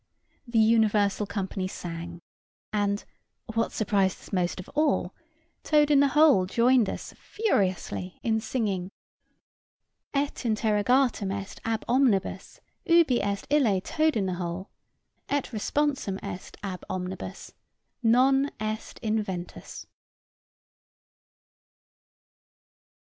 The universal company sang, and (what surprised us most of all) Toad in the hole joined us furiously in singing "Et interrogatum est ab omnibus Ubi est ille Toad in the hole Et responsum est ab omnibus Non est inventus."